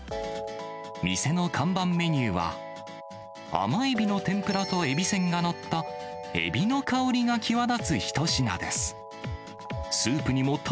店の看板メニューは、甘エビの天ぷらとえびせんが載った、エビの香りが際立つ一品です。